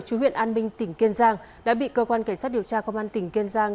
chú huyện an minh tỉnh kiên giang đã bị cơ quan cảnh sát điều tra công an tỉnh kiên giang